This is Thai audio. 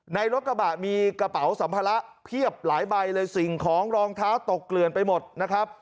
ในรถกระบะมีกระเป๋าสัมภาระเพียบหลายใบเลยสิ่งของรองเท้าตกเกลื่อนไปหมดนะครับ